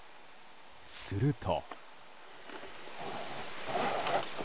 すると。